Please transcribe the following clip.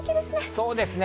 そうですね。